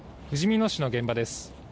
ふじみ野市の現場です。